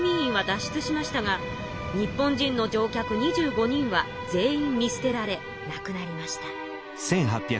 しゅつしましたが日本人の乗客２５人は全員見すてられなくなりました。